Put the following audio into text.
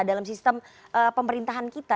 dalam sistem pemerintahan kita